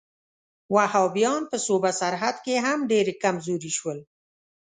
وهابیان په صوبه سرحد کې هم ډېر کمزوري شول.